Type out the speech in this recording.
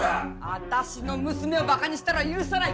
私の娘を馬鹿にしたら許さないから！